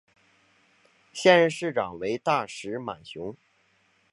现任市长为大石满雄。